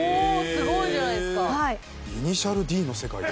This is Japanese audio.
すごいじゃないですか。